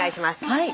はい。